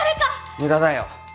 無駄だよ